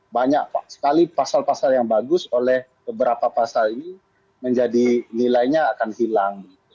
banyak pak sekali pasal pasal yang bagus oleh beberapa pasal ini menjadi nilainya akan hilang